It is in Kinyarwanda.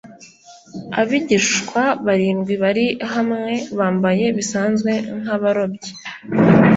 Abigishwa barindwi bari hamwe bambaye bisanzwe nk'abarobyi,